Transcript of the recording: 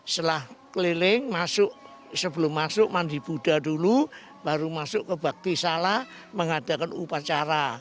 setelah keliling masuk sebelum masuk mandi buddha dulu baru masuk ke bakti salah mengadakan upacara